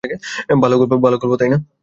ভালো গল্প, তাই না?